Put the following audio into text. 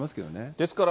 ですから